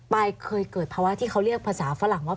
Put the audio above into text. เคยเกิดภาวะที่เขาเรียกภาษาฝรั่งว่า